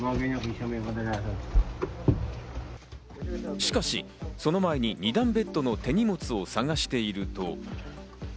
しかし、その前に二段ベッドの手荷物を探していると。